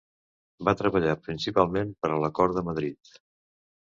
Va treballar principalment per a la cort de Madrid.